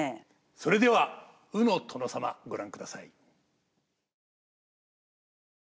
それでは「鵜の殿様」ご覧ください。